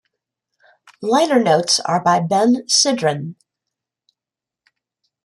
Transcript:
Liner notes are by Ben Sidran.